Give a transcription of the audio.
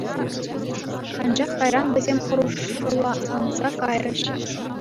Анчах кайран вӗсем хӑрушланса кайрӗҫ.